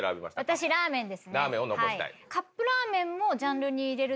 私ラーメンですね。